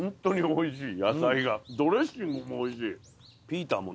おいしい。